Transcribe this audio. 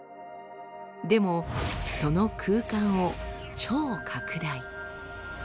でもその空間を超拡大。